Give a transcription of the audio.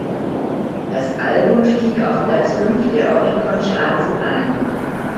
Das Album stieg auf Platz fünf der Oricon-Charts ein.